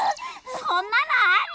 そんなのあり？